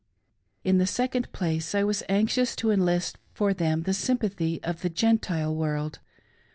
In the second place, I was anxious to enlist for them the sympathy of the Gentile world.